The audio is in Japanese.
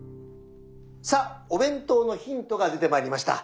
さあお弁当のヒントが出てまいりました！